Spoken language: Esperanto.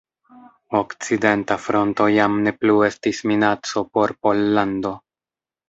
Okcidenta Fronto jam ne plu estis minaco por Pollando.